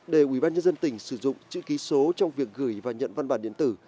để ubnd tỉnh sử dụng chữ ký số trong việc gửi và nhận văn bản điện tử